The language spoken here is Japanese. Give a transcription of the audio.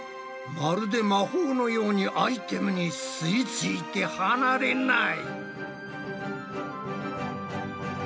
まるで魔法のようにアイテムに吸い付いて離れない！